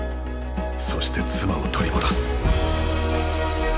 そして妻を取り戻す。